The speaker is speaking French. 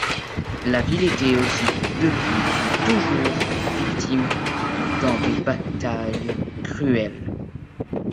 La ville était aussi depuis toujours victime dans des batailles cruelles.